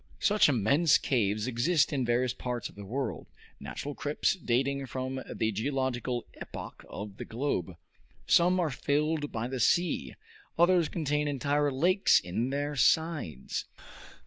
Such immense caves exist in various parts of the world, natural crypts dating from the geological epoch of the globe. Some are filled by the sea; others contain entire lakes in their sides.